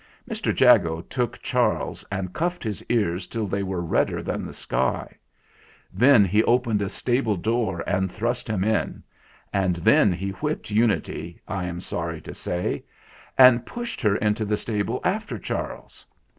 Mr. Jago took Charles and cuffed his ears till they were redder than the sky ; then he opened a stable door and thrust him in; and then he whipped Unity, I am sorry to say, and pushed her into the stable after Charles.